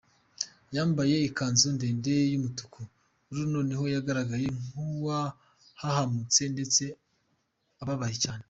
Yambaye ikanzu ndende y’umutuku, Lulu noneho yagaragaraga nk’uwahahamutse ndetse ababaye cyane.